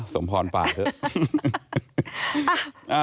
สมพรป่าเถอะ